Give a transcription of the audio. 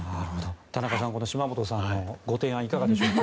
田中さん、島本さんのご提案いかがでしょうか。